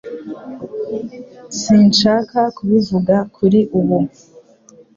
Sinshaka kubivuga kuri ubu